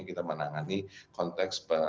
kita menangani konteks